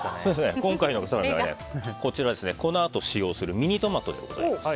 今回はこのあと使用するミニトマトでございます。